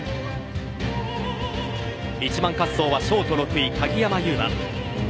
１番滑走はショート６位鍵山優真。